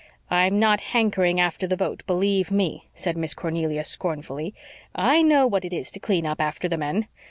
"I'm not hankering after the vote, believe ME," said Miss Cornelia scornfully. "I know what it is to clean up after the men.